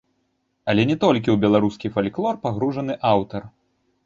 Але не толькі ў беларускі фальклор пагружаны аўтар.